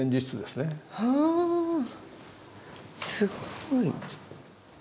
すごい。